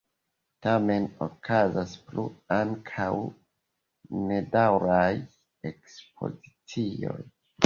Tamen okazas plu ankaŭ nedaŭraj ekspozicioj.